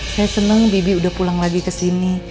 saya senang bibi udah pulang lagi ke sini